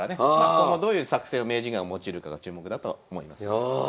今後どういう作戦を名人が用いるかが注目だと思います。